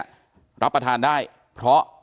ก็แสดงรับประทานได้เพราะ